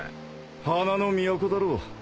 花の都だろう。